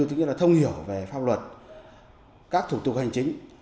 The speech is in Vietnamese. tức là thông hiểu về pháp luật các thủ tục hành chính